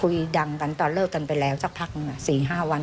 คุยดังตอนเลิกกันไปแล้วสักพักนึงสี่ห้าวัน